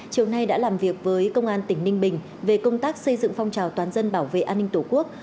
chiều nay đã làm việc với công an tỉnh ninh bình về công tác xây dựng phong trào toàn dân bảo vệ an ninh tổ quốc